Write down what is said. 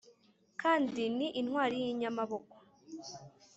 kandi ni intwari y’inyamaboko